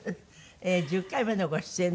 １０回目のご出演です。